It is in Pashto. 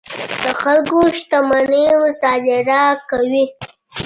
د خلکو شتمنۍ مصادره کوي.